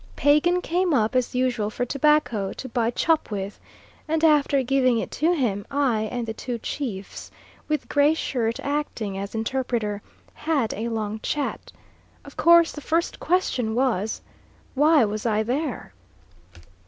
Pagan came up as usual for tobacco to buy chop with; and after giving it to him, I and the two chiefs, with Gray Shirt acting as interpreter, had a long chat. Of course the first question was, Why was I there?